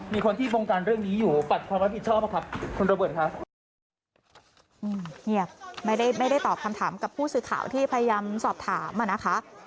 ไม่ได้ตอบคำถามกับผู้สื่อข่าวที่พยายามสอบถามอะนะคะ